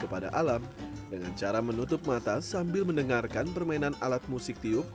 kepada alam dengan cara menutup mata sambil mendengarkan permainan alat musik tiup